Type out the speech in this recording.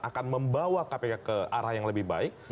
akan membawa kpk ke arah yang lebih baik